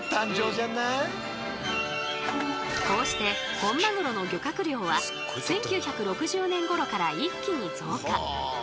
こうして本マグロの漁獲量は１９６０年ごろから一気に増加！